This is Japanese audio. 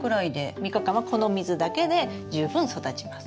３日間はこの水だけで十分育ちます。